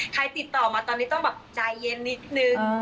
ติดต่อมาตอนนี้ต้องแบบใจเย็นนิดนึง